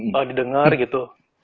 kalau didengar gitu